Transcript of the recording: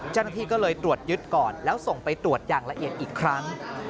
เจ้าหน้าที่ก็เลยตรวจยึดก่อนแล้วส่งไปตรวจอย่างละเอียดอีกครั้ง